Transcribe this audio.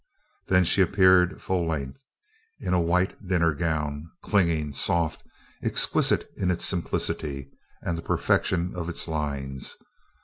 Then she appeared full length, in a white dinner gown clinging, soft, exquisite in its simplicity and the perfection of its lines.